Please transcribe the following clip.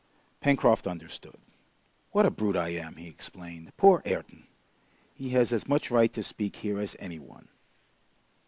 Pencroft understood. "What a brute I am!" he exclaimed. "Poor Ayrton! He has as much right to speak here as any one!"